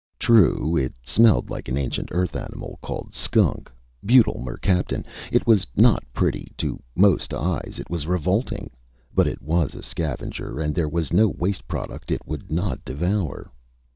True, it smelled like an ancient Earth animal called skunk butyl mercaptan. It was not pretty to most eyes it is revolting. But it was a scavenger and there was no waste product it would not devour."